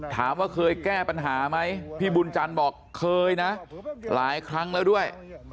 ถามว่าเคยแก้ปัญหาไหมพี่บุญจันทร์บอกเคยนะหลายครั้งแล้วด้วย